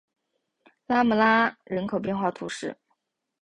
拉穆拉人口变化图示